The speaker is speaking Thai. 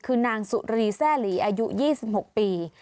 คือนางสุรีแซ่หลีอายุ๒๖ปี